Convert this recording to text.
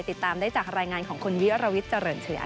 ติดตามได้จากรายงานของคุณวิรวิทย์เจริญเชื้อ